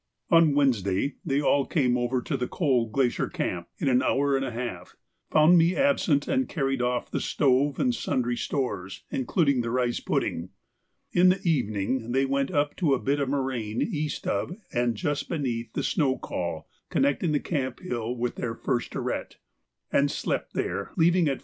On Wednesday they all came over to the Coal Glacier Camp in an hour and a half, found me absent, and carried off the stove and sundry stores, including the rice pudding. In the evening they went up to a bit of moraine east of, and just beneath, the snow col connecting the camp hill with their first arête, and slept there, leaving at 4.